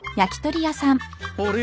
あれ？